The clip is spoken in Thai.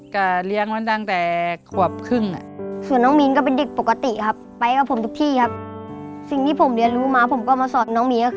ก็เลี้ยงมันดังแต่ครอบครึ่ง